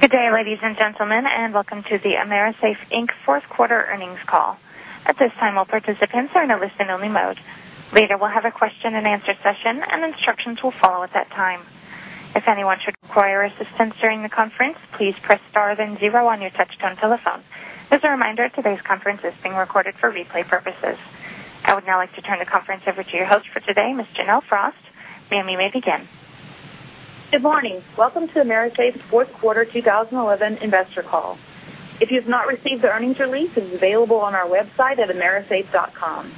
Good day, ladies and gentlemen, and welcome to the AMERISAFE, Inc. fourth quarter earnings call. At this time, all participants are in a listen only mode. Later, we'll have a question-and-answer session, and instructions will follow at that time. If anyone should require assistance during the conference, please press star then zero on your touch-tone telephone. As a reminder, today's conference is being recorded for replay purposes. I would now like to turn the conference over to your host for today, Ms. Janelle Frost. Ma'am, you may begin. Good morning. Welcome to AMERISAFE's fourth quarter 2011 investor call. If you have not received the earnings release, it is available on our website at amerisafe.com.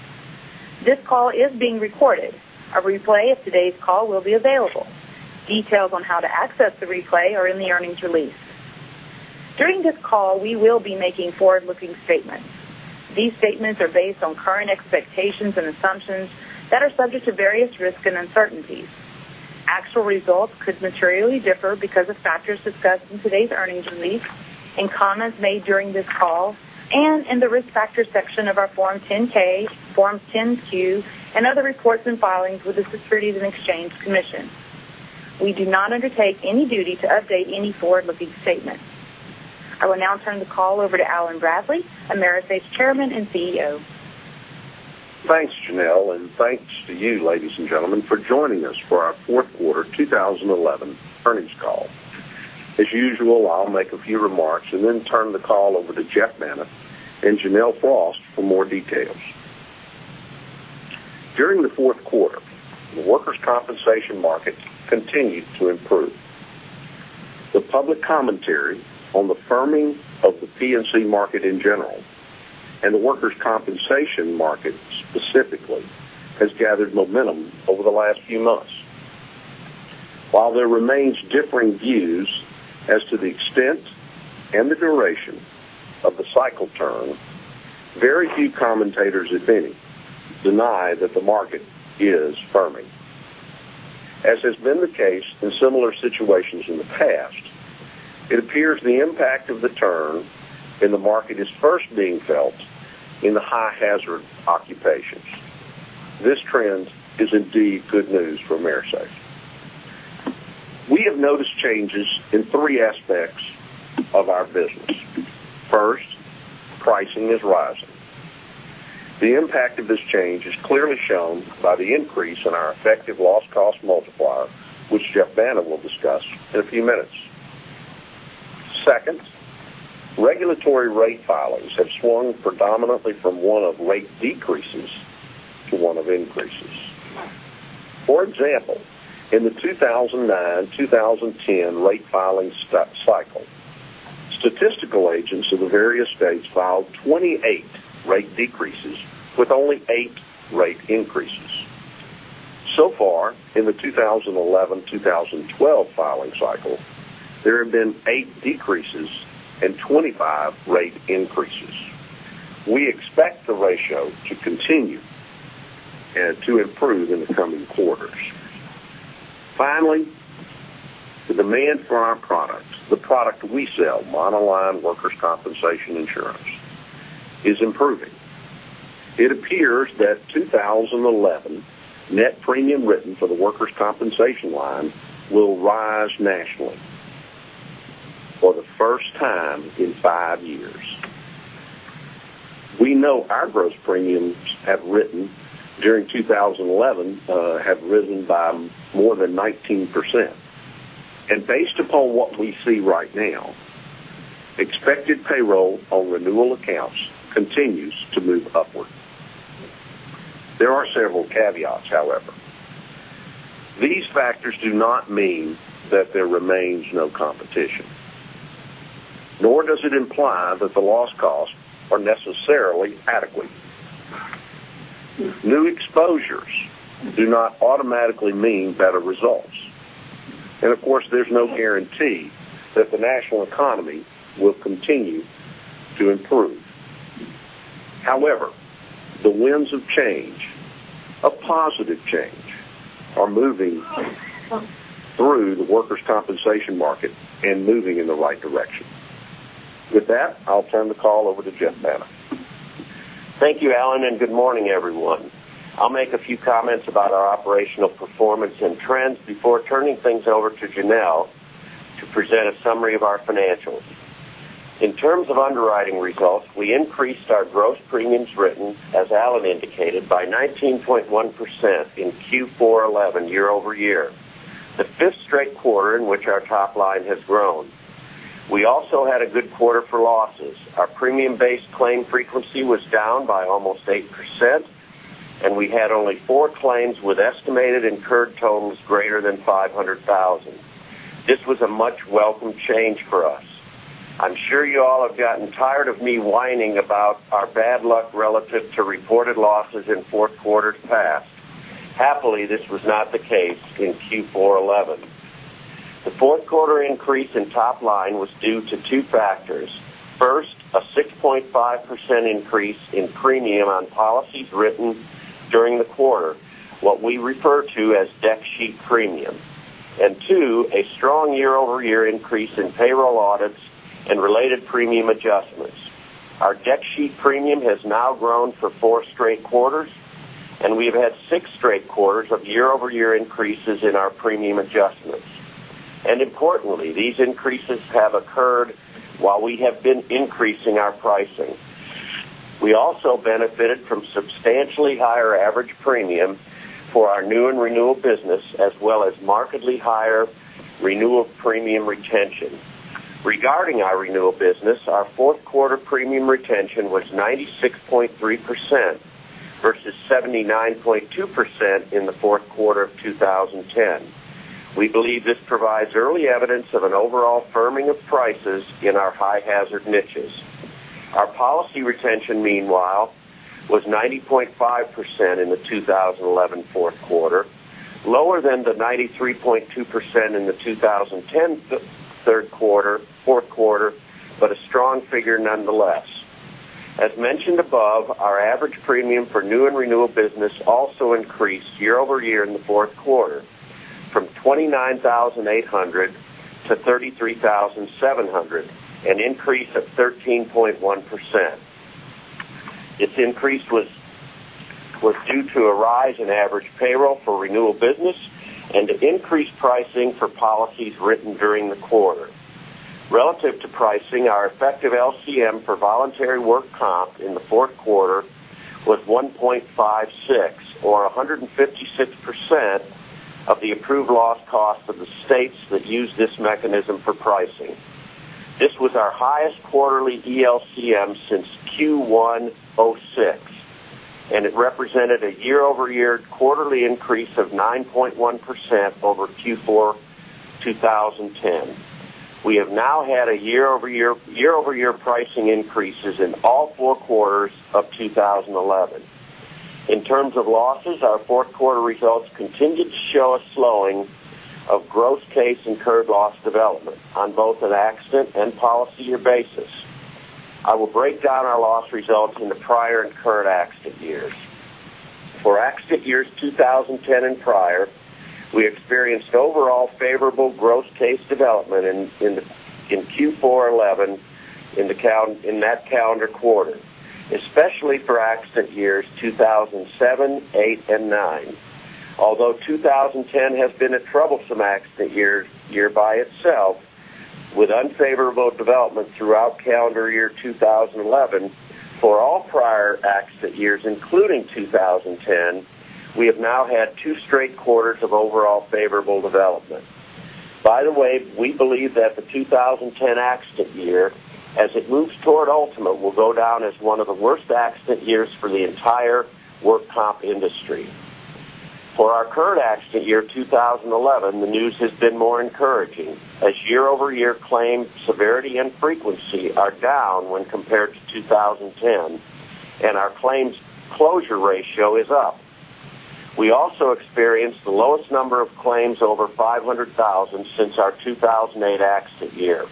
This call is being recorded. A replay of today's call will be available. Details on how to access the replay are in the earnings release. During this call, we will be making forward-looking statements. These statements are based on current expectations and assumptions that are subject to various risks and uncertainties. Actual results could materially differ because of factors discussed in today's earnings release, in comments made during this call, and in the Risk Factors section of our Form 10-K, Form 10-Q, and other reports and filings with the Securities and Exchange Commission. We do not undertake any duty to update any forward-looking statements. I will now turn the call over to Allen Bradley, AMERISAFE's Chairman and CEO. Thanks, Janelle, and thanks to you, ladies and gentlemen, for joining us for our fourth quarter 2011 earnings call. As usual, I'll make a few remarks and then turn the call over to Jeff Binner and Janelle Frost for more details. During the fourth quarter, the workers' compensation market continued to improve. The public commentary on the firming of the P&C market in general, and the workers' compensation market specifically, has gathered momentum over the last few months. While there remains differing views as to the extent and the duration of the cycle turn, very few commentators, if any, deny that the market is firming. As has been the case in similar situations in the past, it appears the impact of the turn in the market is first being felt in the high-hazard occupations. This trend is indeed good news for AMERISAFE. We have noticed changes in three aspects of our business. First, pricing is rising. The impact of this change is clearly shown by the increase in our effective loss cost multiplier, which Jeff Binner will discuss in a few minutes. Second, regulatory rate filings have swung predominantly from one of rate decreases to one of increases. For example, in the 2009-2010 rate filing cycle, statistical agents in the various states filed 28 rate decreases with only eight rate increases. So far, in the 2011-2012 filing cycle, there have been eight decreases and 25 rate increases. We expect the ratio to continue to improve in the coming quarters. Finally, the demand for our products, the product we sell, monoline workers' compensation insurance, is improving. It appears that 2011 net premium written for the workers' compensation line will rise nationally for the first time in five years. We know our gross premiums have risen during 2011 by more than 19%. Based upon what we see right now, expected payroll on renewal accounts continues to move upward. There are several caveats, however. These factors do not mean that there remains no competition, nor does it imply that the loss costs are necessarily adequate. New exposures do not automatically mean better results. Of course, there's no guarantee that the national economy will continue to improve. However, the winds of change, of positive change, are moving through the workers' compensation market and moving in the right direction. With that, I'll turn the call over to Jeff Binner. Thank you, Allen, and good morning, everyone. I'll make a few comments about our operational performance and trends before turning things over to Janelle to present a summary of our financials. In terms of underwriting results, we increased our gross premiums written, as Allen indicated, by 19.1% in Q4 '11 year-over-year, the 5th straight quarter in which our top line has grown. We also had a good quarter for losses. Our premium-based claim frequency was down by almost 8%, and we had only 4 claims with estimated incurred totals greater than $500,000. This was a much welcome change for us. I'm sure you all have gotten tired of me whining about our bad luck relative to reported losses in fourth quarters past. Happily, this was not the case in Q4 '11. The fourth quarter increase in top line was due to 2 factors. First, a 6.5% increase in premium on policies written during the quarter, what we refer to as dec sheet premium. Second, a strong year-over-year increase in payroll audits and related premium adjustments. Our dec sheet premium has now grown for 4 straight quarters, and we've had 6 straight quarters of year-over-year increases in our premium adjustments. Importantly, these increases have occurred while we have been increasing our pricing. We also benefited from substantially higher average premium for our new and renewal business, as well as markedly higher renewal premium retention. Regarding our renewal business, our fourth quarter premium retention was 96.3% versus 79.2% in the fourth quarter of 2010. We believe this provides early evidence of an overall firming of prices in our high hazard niches. Our policy retention, meanwhile, was 90.5% in the 2011 fourth quarter, lower than the 93.2% in the 2010 fourth quarter, but a strong figure nonetheless. As mentioned above, our average premium for new and renewal business also increased year-over-year in the fourth quarter from $29,800 to $33,700, an increase of 13.1%. Its increase was due to a rise in average payroll for renewal business and increased pricing for policies written during the quarter. Relative to pricing, our effective LCM for voluntary workers' comp in the fourth quarter was 1.56 or 156% of the approved loss cost of the states that use this mechanism for pricing. This was our highest quarterly ELCM since Q1 '06, and it represented a year-over-year quarterly increase of 9.1% over Q4 2010. We have now had year-over-year pricing increases in all 4 quarters of 2011. In terms of losses, our fourth quarter results continued to show a slowing of gross case incurred loss development on both an accident and policy year basis. I will break down our loss results into prior and current accident years. For accident years 2010 and prior, we experienced overall favorable gross case development in Q4 2011 in that calendar quarter, especially for accident years 2007, 2008, and 2009. Although 2010 has been a troublesome accident year by itself with unfavorable development throughout calendar year 2011, for all prior accident years, including 2010, we have now had two straight quarters of overall favorable development. By the way, we believe that the 2010 accident year, as it moves toward ultimate, will go down as one of the worst accident years for the entire workers' comp industry. For our current accident year 2011, the news has been more encouraging as year-over-year claim severity and frequency are down when compared to 2010, and our claims closure ratio is up. We also experienced the lowest number of claims over 500,000 since our 2008 accident year.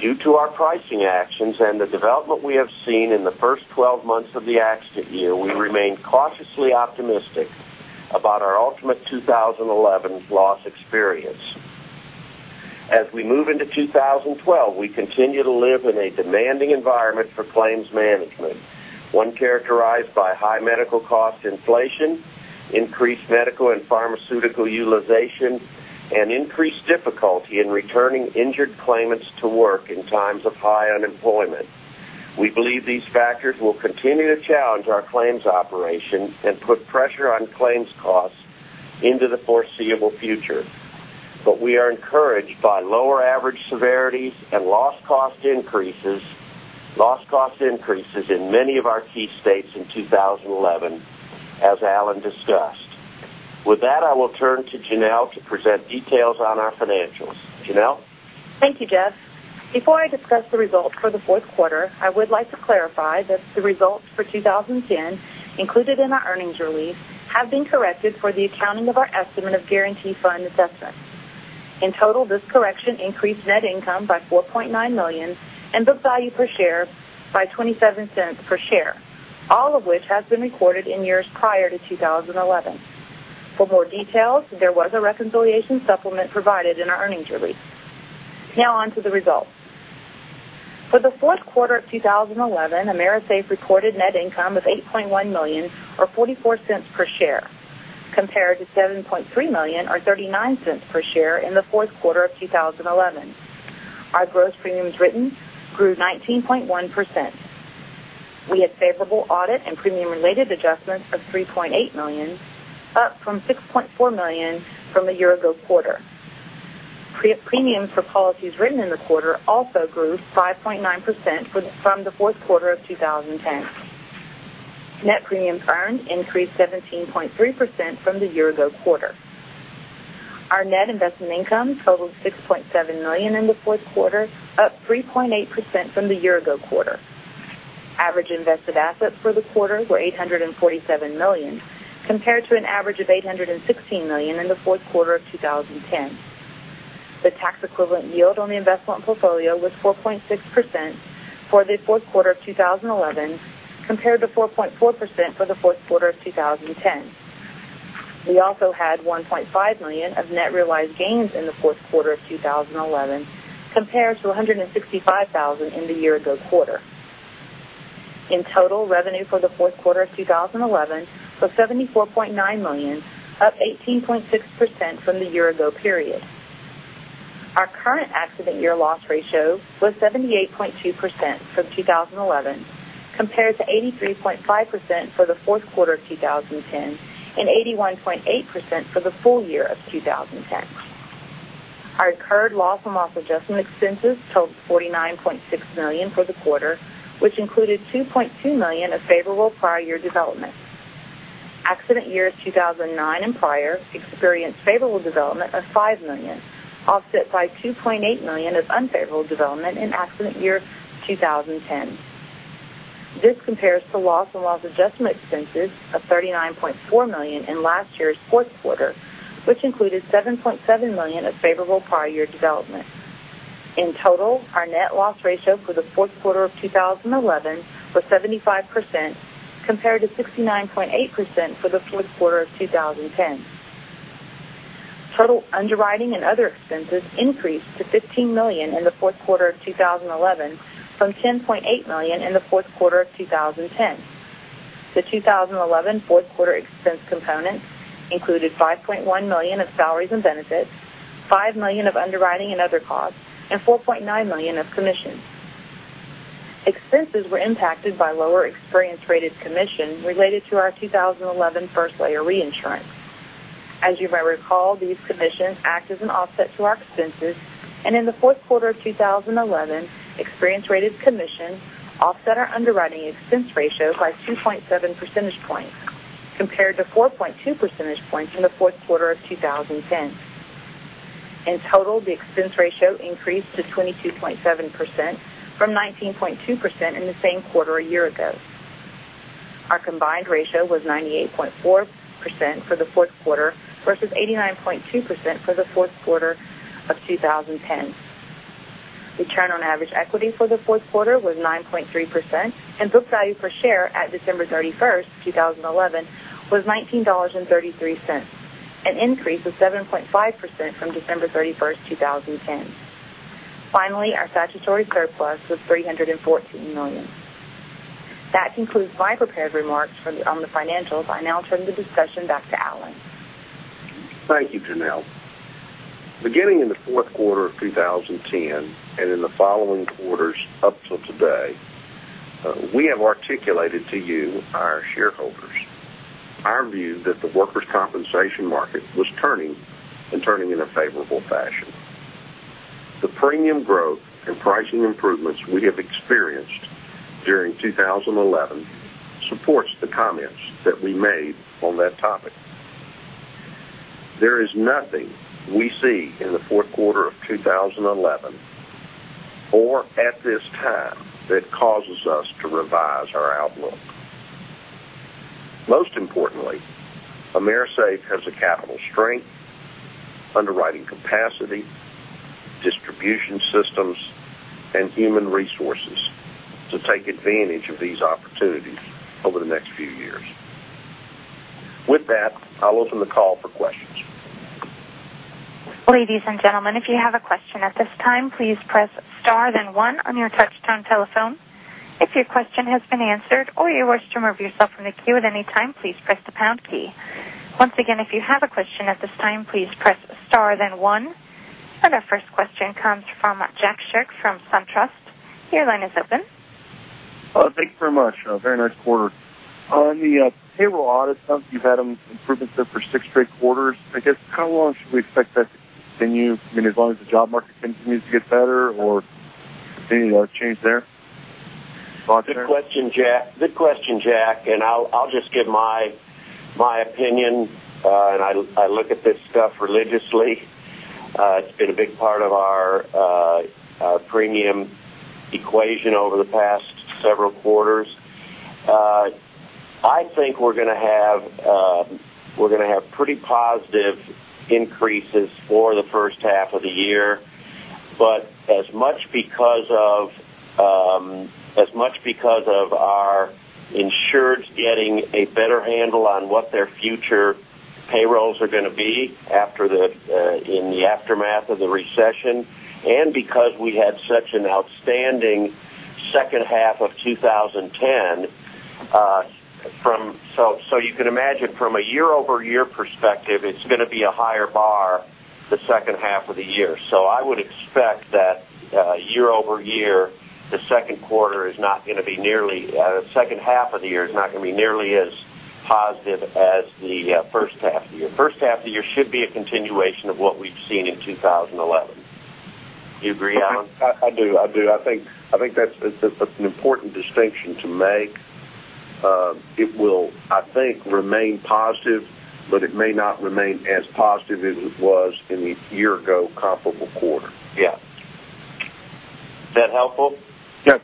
Due to our pricing actions and the development we have seen in the first 12 months of the accident year, we remain cautiously optimistic about our ultimate 2011 loss experience. As we move into 2012, we continue to live in a demanding environment for claims management, one characterized by high medical cost inflation, increased medical and pharmaceutical utilization, and increased difficulty in returning injured claimants to work in times of high unemployment. We believe these factors will continue to challenge our claims operations and put pressure on claims costs into the foreseeable future. We are encouraged by lower average severities and loss cost increases in many of our key states in 2011, as C. Allen discussed. With that, I will turn to Janelle to present details on our financials. Janelle? Thank you, Jeff. Before I discuss the results for the fourth quarter, I would like to clarify that the results for 2010 included in our earnings release have been corrected for the accounting of our estimate of Guarantee Fund assessments. In total, this correction increased net income by $4.9 million and book value per share by $0.27 per share, all of which has been recorded in years prior to 2011. For more details, there was a reconciliation supplement provided in our earnings release. Now on to the results. For the fourth quarter of 2011, AMERISAFE reported net income of $8.1 million, or $0.44 per share, compared to $7.3 million or $0.39 per share in the fourth quarter of 2011. Our gross premiums written grew 19.1%. We had favorable audit and premium related adjustments of $3.8 million, up from $6.4 million from a year ago quarter. Premiums for policies written in the quarter also grew 5.9% from the fourth quarter of 2010. Net premiums earned increased 17.3% from the year ago quarter. Our net investment income totaled $6.7 million in the fourth quarter, up 3.8% from the year ago quarter. Average invested assets for the quarter were $847 million, compared to an average of $816 million in the fourth quarter of 2010. The tax equivalent yield on the investment portfolio was 4.6% for the fourth quarter of 2011, compared to 4.4% for the fourth quarter of 2010. We also had $1.5 million of net realized gains in the fourth quarter of 2011, compared to $165,000 in the year-ago quarter. In total, revenue for the fourth quarter of 2011 was $74.9 million, up 18.6% from the year-ago period. Our current accident year loss ratio was 78.2% for 2011, compared to 83.5% for the fourth quarter of 2010 and 81.8% for the full year of 2010. Our incurred loss and loss adjustment expenses totaled $49.6 million for the quarter, which included $2.2 million of favorable prior year development. Accident years 2009 and prior experienced favorable development of $5 million, offset by $2.8 million of unfavorable development in accident year 2010. This compares to loss and loss adjustment expenses of $39.4 million in last year's fourth quarter, which included $7.7 million of favorable prior year development. In total, our net loss ratio for the fourth quarter of 2011 was 75%, compared to 69.8% for the fourth quarter of 2010. Total underwriting and other expenses increased to $15 million in the fourth quarter of 2011 from $10.8 million in the fourth quarter of 2010. The 2011 fourth quarter expense components included $5.1 million of salaries and benefits, $5 million of underwriting and other costs, and $4.9 million of commissions. Expenses were impacted by lower experience-rated commissions related to our 2011 first-layer reinsurance. As you may recall, these commissions act as an offset to our expenses, and in the fourth quarter of 2011, experience-rated commissions offset our underwriting expense ratio by 2.7 percentage points, compared to 4.2 percentage points in the fourth quarter of 2010. In total, the expense ratio increased to 22.7% from 19.2% in the same quarter a year ago. Our combined ratio was 98.4% for the fourth quarter versus 89.2% for the fourth quarter of 2010. Return on average equity for the fourth quarter was 9.3%, and book value per share at December 31st, 2011 was $19.33, an increase of 7.5% from December 31st, 2010. Finally, our statutory surplus was $314 million. That concludes my prepared remarks on the financials. I now turn the discussion back to Allen. Thank you, Janelle. Beginning in the fourth quarter of 2010 and in the following quarters up till today, we have articulated to you, our shareholders, our view that the workers' compensation market was turning and turning in a favorable fashion. The premium growth and pricing improvements we have experienced during 2011 supports the comments that we made on that topic. There is nothing we see in the fourth quarter of 2011 or at this time that causes us to revise our outlook. Most importantly, AMERISAFE has the capital strength, underwriting capacity, distribution systems, and human resources to take advantage of these opportunities over the next few years. With that, I'll open the call for questions. Ladies and gentlemen, if you have a question at this time, please press star then one on your touch-tone telephone. If your question has been answered or you wish to remove yourself from the queue at any time, please press the pound key. Once again, if you have a question at this time, please press star then one. Our first question comes from [Jack Shrutz] from SunTrust. Your line is open. Thank you very much. Very nice quarter. On the payroll audit stuff, you've had improvements there for six straight quarters. I guess, how long should we expect that to continue? As long as the job market continues to get better, or do you see any change there? Good question, Jack. I'll just give my opinion. I look at this stuff religiously. It's been a big part of our premium equation over the past several quarters. I think we're going to have pretty positive increases for the first half of the year. As much because of our insureds getting a better handle on what their future payrolls are going to be in the aftermath of the recession, and because we had such an outstanding second half of 2010. You can imagine from a year-over-year perspective, it's going to be a higher bar the second half of the year. I would expect that year-over-year, the second half of the year is not going to be nearly as positive as the first half of the year. First half of the year should be a continuation of what we've seen in 2011. Do you agree, Allen? I do. I think that's an important distinction to make. It will, I think, remain positive, but it may not remain as positive as it was in the year-ago comparable quarter. Yeah. Is that helpful? Yes.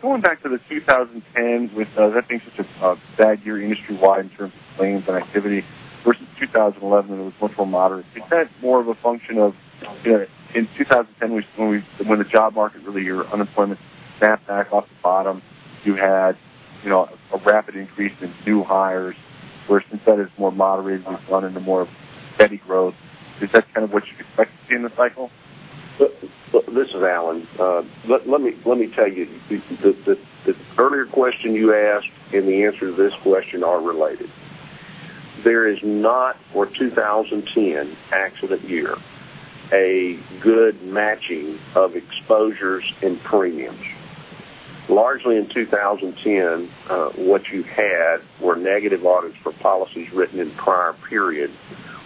Going back to the 2010, that seems such a bad year industry-wide in terms of claims and activity. Were some 2011 when it was much more moderate. Is that more of a function of in 2010 when the job market really, or unemployment bounced back off the bottom, you had a rapid increase in new hires, versus that is more moderated. We've gone into more steady growth. Is that kind of what you'd expect to see in the cycle? This is Allen. Let me tell you. The earlier question you asked and the answer to this question are related. There is not for 2010, accident year, a good matching of exposures and premiums. Largely in 2010, what you had were negative audits for policies written in prior periods,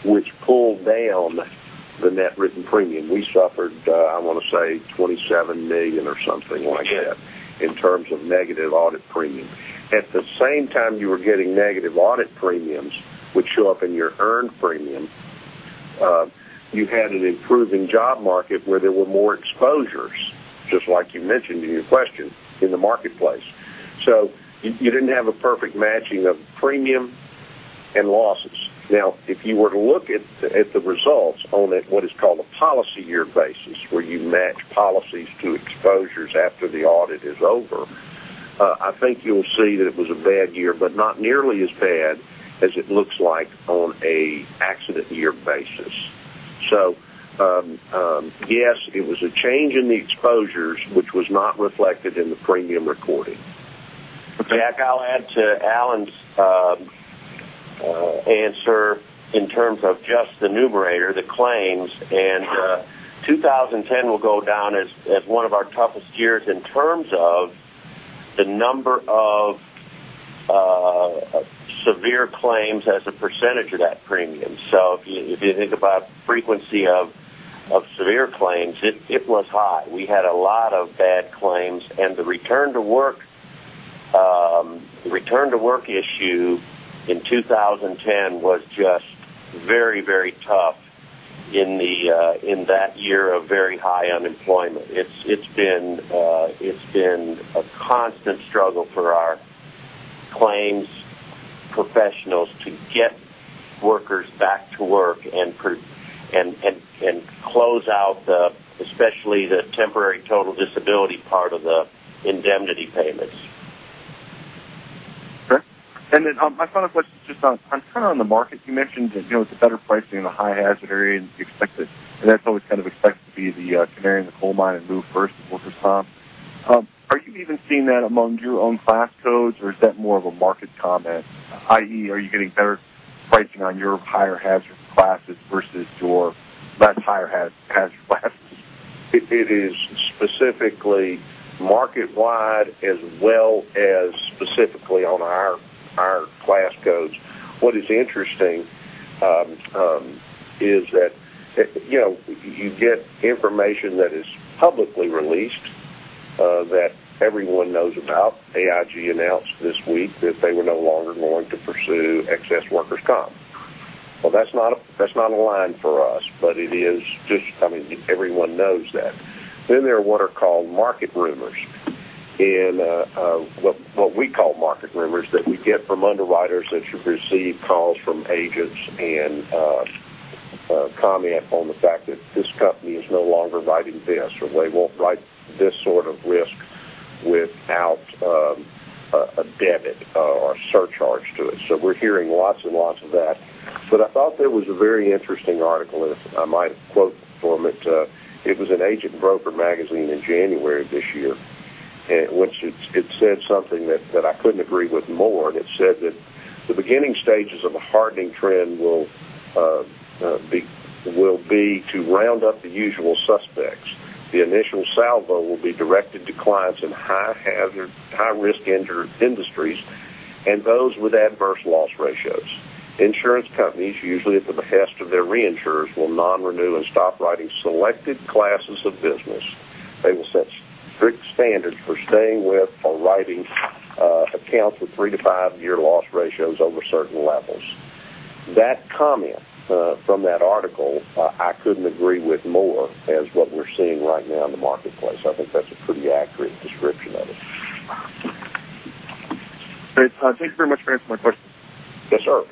which pulled down the net written premium. We suffered, I want to say, $27 million or something like that in terms of negative audit premium. At the same time you were getting negative audit premiums, which show up in your earned premium, you had an improving job market where there were more exposures, just like you mentioned in your question, in the marketplace. You didn't have a perfect matching of premium and losses. If you were to look at the results on what is called a policy year basis, where you match policies to exposures after the audit is over, I think you will see that it was a bad year, but not nearly as bad as it looks like on an accident year basis. Yes, it was a change in the exposures, which was not reflected in the premium recording. Okay. Jack, I will add to Allen's answer in terms of just the numerator, the claims. 2010 will go down as one of our toughest years in terms of the number of severe claims as a percentage of that premium. If you think about frequency of severe claims, it was high. We had a lot of bad claims. The return to work issue in 2010 was just very tough in that year of very high unemployment. It has been a constant struggle for our claims professionals to get workers back to work and close out, especially the temporary total disability part of the indemnity payments. Okay. My final question, just on kind of on the market. You mentioned that it is a better pricing in the high hazard area, and that is always kind of expected to be the canary in the coal mine and move first in workers' comp. Are you even seeing that among your own class codes or is that more of a market comment, i.e., are you getting better pricing on your higher hazard classes versus your less higher hazard classes? It is specifically market-wide as well as specifically on our class codes. What is interesting is that you get information that is publicly released, that everyone knows about. AIG announced this week that they were no longer going to pursue excess workers' comp. That is not a line for us, but everyone knows that. There are what are called market rumors, and what we call market rumors that we get from underwriters that you receive calls from agents and comment on the fact that this company is no longer writing this, or they will not write this sort of risk without a debit or a surcharge to it. We are hearing lots and lots of that. I thought there was a very interesting article in, I might quote from it. It was an agent broker magazine in January of this year, in which it said something that I couldn't agree with more. It said that the beginning stages of a hardening trend will be to round up the usual suspects. The initial salvo will be directed to clients in high hazard, high risk injured industries, and those with adverse loss ratios. Insurance companies, usually at the behest of their reinsurers, will non-renew and stop writing selected classes of business. They will set strict standards for staying with or writing accounts with three to five-year loss ratios over certain levels. That comment from that article, I couldn't agree with more as what we're seeing right now in the marketplace. I think that's a pretty accurate description of it. Great. Thank you very much for answering my questions. Yes, sir.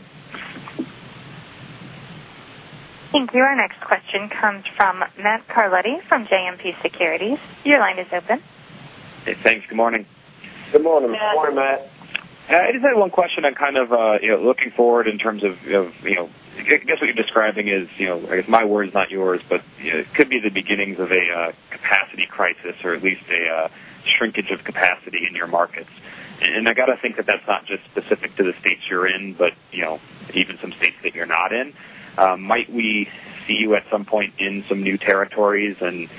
Thank you. Our next question comes from Matt Carletti from JMP Securities. Your line is open. Thanks. Good morning. Good morning. Good morning, Matt. I just had one question on kind of looking forward in terms of, I guess what you're describing is, my words, not yours, but it could be the beginnings of a capacity crisis or at least a shrinkage of capacity in your markets. I got to think that that's not just specific to the states you're in, but even some states that you're not in. Might we see you at some point in some new territories, and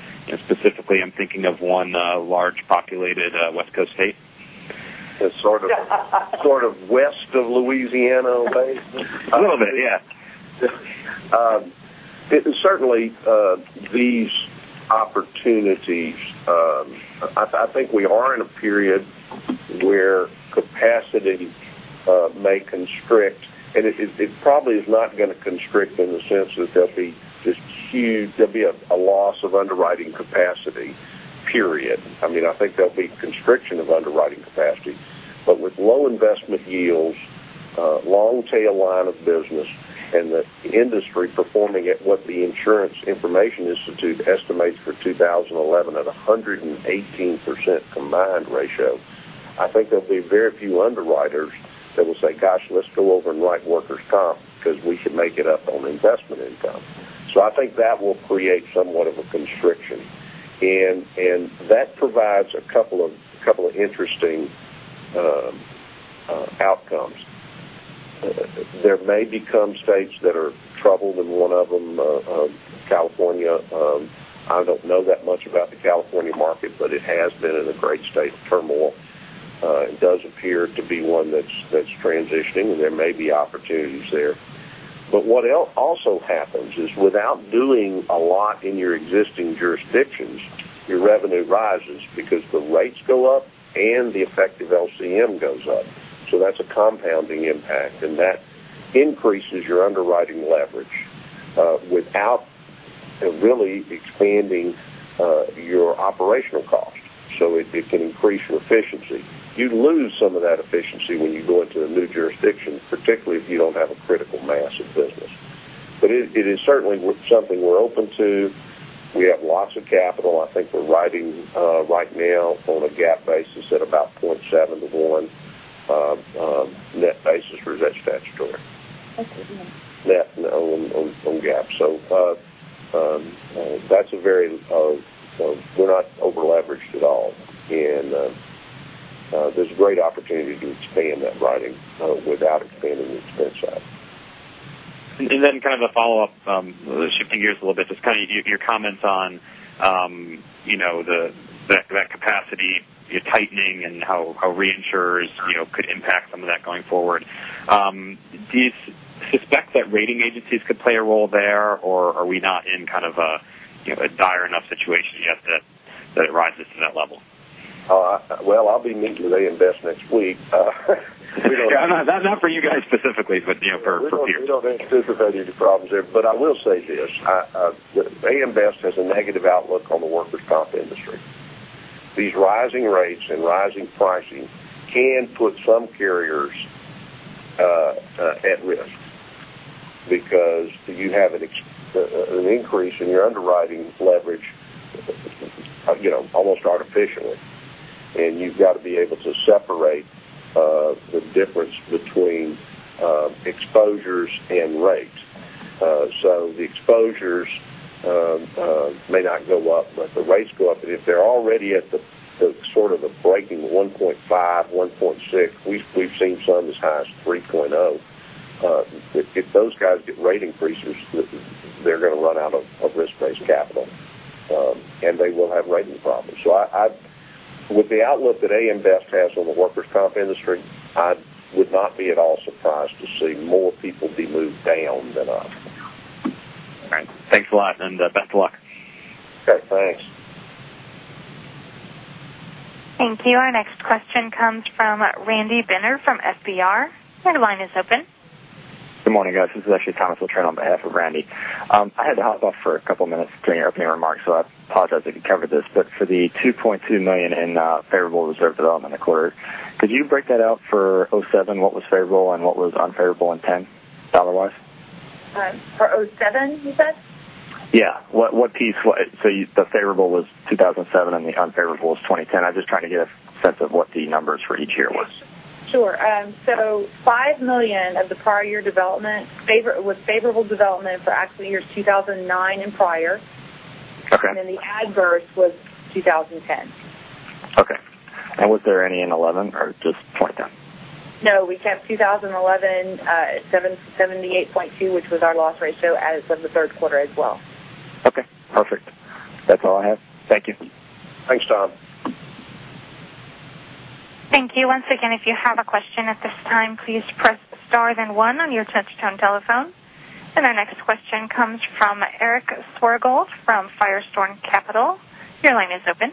specifically, I'm thinking of one large populated West Coast state. Sort of west of Louisiana, maybe. A little bit, yeah. Certainly, these opportunities, I think we are in a period where capacity may constrict, and it probably is not going to constrict in the sense that there'll be this huge loss of underwriting capacity, period. I think there'll be constriction of underwriting capacity. With low investment yields, long tail line of business, and the industry performing at what the Insurance Information Institute estimates for 2011 at 118% combined ratio, I think there'll be very few underwriters that will say, "Gosh, let's go over and write workers' comp because we can make it up on investment income." I think that will create somewhat of a constriction, and it provides a couple of interesting outcomes. There may become states that are troubled, and one of them, California. I don't know that much about the California market, but it has been in a great state of turmoil. It does appear to be one that's transitioning, and there may be opportunities there. What also happens is without doing a lot in your existing jurisdictions, your revenue rises because the rates go up and the effective LCM goes up. That's a compounding impact, and that increases your underwriting leverage without really expanding your operational cost. It can increase your efficiency. You lose some of that efficiency when you go into a new jurisdiction, particularly if you don't have a critical mass of business. It is certainly something we're open to. We have lots of capital. I think we're writing right now on a GAAP basis at about 0.7 to 1 net basis versus statutory. Okay. Yeah. Net on GAAP. We're not over-leveraged at all, and there's a great opportunity to expand that writing without expanding the expense side. Kind of a follow-up, shifting gears a little bit, just kind of your comments on that capacity tightening and how reinsurers could impact some of that going forward. Do you suspect that rating agencies could play a role there, or are we not in kind of a dire enough situation yet that it rises to that level? Well, I'll be meeting with AM Best next week. Not for you guys specifically, but for peers. I will say this: AM Best has a negative outlook on the workers' comp industry. These rising rates and rising pricing can put some carriers at risk because you have an increase in your underwriting leverage almost artificially, and you've got to be able to separate the difference between exposures and rates. The exposures may not go up, but the rates go up, and if they're already at the sort of a breaking 1.5, 1.6, we've seen some as high as 3.0. If those guys get rate increases, they're going to run out of risk-based capital, and they will have rating problems. With the outlook that AM Best has on the workers' comp industry, I would not be at all surprised to see more people be moved down than up. All right. Thanks a lot, and best of luck. Okay, thanks. Thank you. Our next question comes from Randy Binner from FBR. Your line is open. Good morning, guys. This is actually [Thomas O'Connor] on behalf of Randy. I had to hop off for a couple of minutes during your opening remarks, so I apologize I didn't cover this. For the $2.2 million in favorable reserve development in the quarter, could you break that out for 2007, what was favorable and what was unfavorable in 2010, dollar-wise? For 2007, you said? Yeah. The favorable was 2007 and the unfavorable was 2010. I'm just trying to get a sense of what the numbers for each year was. Sure. $5 million of the prior year development was favorable development for accident years 2009 and prior. Okay. The adverse was 2010. Okay. Was there any in 2011 or just 2010? No, we kept 2011 at 78.2, which was our loss ratio as of the third quarter as well. Okay, perfect. That's all I have. Thank you. Thanks, Tom. Thank you. Once again, if you have a question at this time, please press star then one on your touch-tone telephone. Our next question comes from Eric Swergold from Firestorm Capital. Your line is open.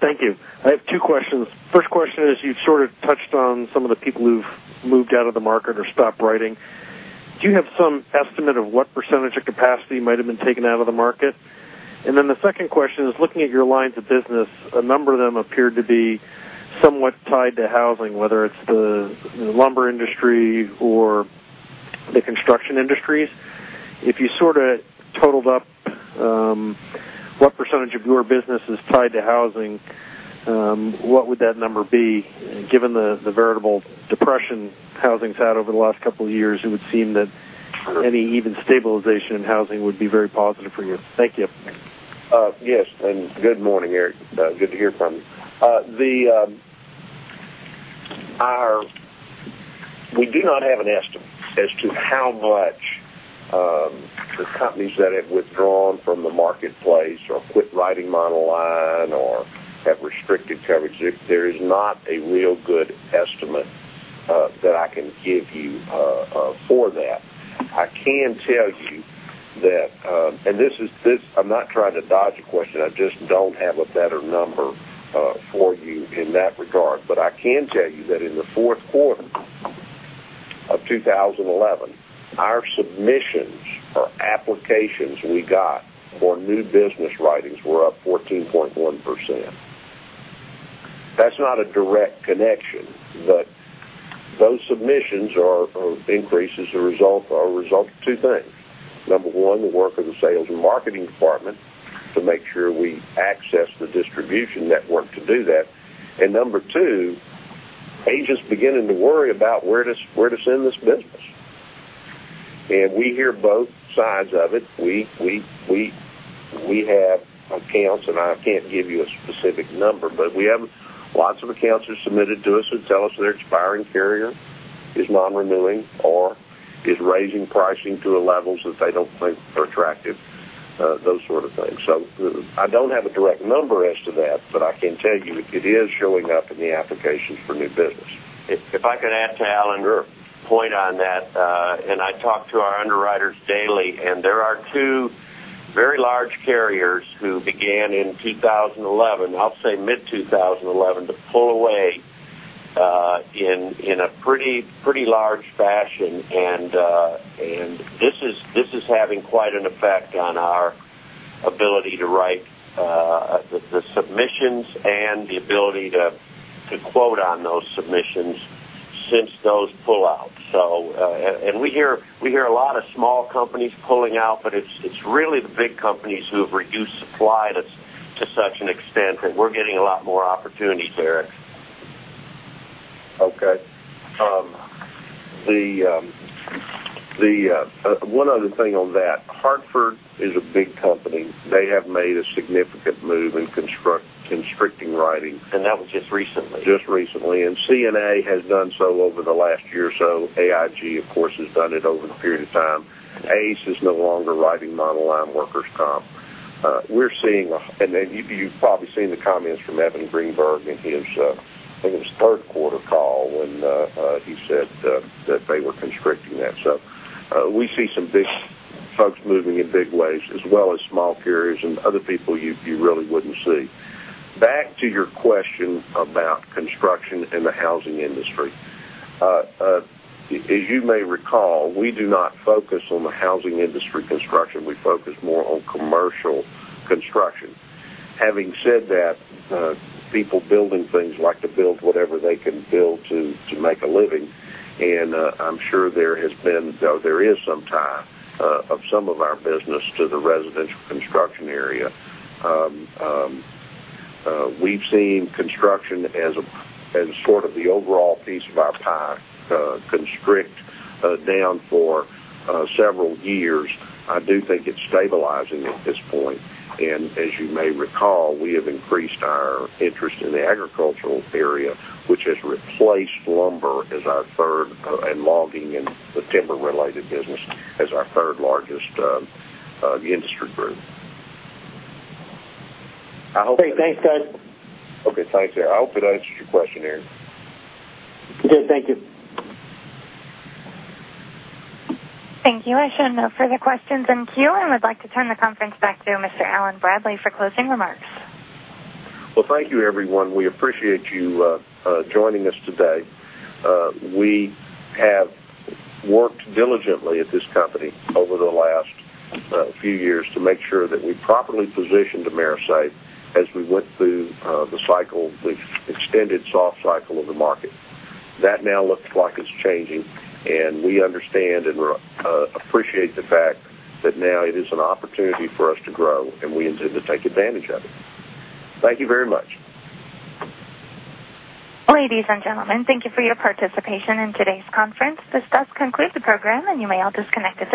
Thank you. I have two questions. First question is, you sort of touched on some of the people who've moved out of the market or stopped writing. Do you have some estimate of what percentage of capacity might have been taken out of the market? The second question is, looking at your lines of business, a number of them appeared to be somewhat tied to housing, whether it's the lumber industry or the construction industries. If you sort of totaled up what percentage of your business is tied to housing, what would that number be? Given the veritable depression housing's had over the last couple of years, it would seem that any even stabilization in housing would be very positive for you. Thank you. Yes, good morning, Eric. Good to hear from you. We do not have an estimate as to how much the companies that have withdrawn from the marketplace or quit writing monoline or have restricted coverage. There is not a real good estimate that I can give you for that. I'm not trying to dodge a question, I just don't have a better number for you in that regard. I can tell you that in the fourth quarter of 2011, our submissions or applications we got for new business writings were up 14.1%. That's not a direct connection, those submissions or increases are a result of two things. Number one, the work of the sales and marketing department to make sure we access the distribution network to do that. Number two, agents beginning to worry about where to send this business. We hear both sides of it. We have accounts, I can't give you a specific number, we have lots of accounts who submitted to us who tell us their expiring carrier is non-renewing or is raising pricing to levels that they don't think are attractive, those sort of things. I don't have a direct number as to that, I can tell you it is showing up in the applications for new business. If I could add to, Allen. Sure point on that. I talk to our underwriters daily, there are two very large carriers who began in 2011, I'll say mid-2011, to pull away in a pretty large fashion. This is having quite an effect on our ability to write the submissions and the ability to quote on those submissions since those pull-outs. We hear a lot of small companies pulling out, it's really the big companies who have reduced supply to such an extent that we're getting a lot more opportunities there. Okay. One other thing on that. Hartford is a big company. They have made a significant move in constricting writing. That was just recently. Just recently. CNA has done so over the last year or so. AIG, of course, has done it over the period of time. ACE is no longer writing monoline workers' comp. You've probably seen the comments from Evan Greenberg in his, I think it was third quarter call when he said that they were constricting that. We see some folks moving in big ways as well as small carriers and other people you really wouldn't see. Back to your question about construction and the housing industry. As you may recall, we do not focus on the housing industry construction. We focus more on commercial construction. Having said that, people building things like to build whatever they can build to make a living. I'm sure there is some tie of some of our business to the residential construction area. We've seen construction as sort of the overall piece of our pie constrict down for several years. I do think it's stabilizing at this point. As you may recall, we have increased our interest in the agricultural area, which has replaced lumber as our third, and logging and the timber-related business as our third largest industry group. Great. Thanks, guys. Okay. Thanks. I hope that answers your question, Eric. It did. Thank you. Thank you. I show no further questions in queue and would like to turn the conference back to Mr. Allen Bradley for closing remarks. Well, thank you everyone. We appreciate you joining us today. We have worked diligently at this company over the last few years to make sure that we properly positioned AMERISAFE as we went through the cycle, the extended soft cycle of the market. That now looks like it's changing, and we understand and appreciate the fact that now it is an opportunity for us to grow, and we intend to take advantage of it. Thank you very much. Ladies and gentlemen, thank you for your participation in today's conference. This does conclude the program, and you may all disconnect at this time.